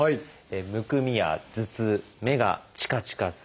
「むくみ」や「頭痛」「目がチカチカする」。